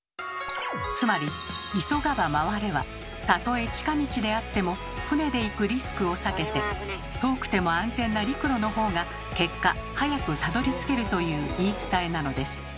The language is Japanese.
つまり「急がば回れ」はたとえ近道であっても船で行くリスクを避けて遠くても安全な陸路の方が結果早くたどりつけるという言い伝えなのです。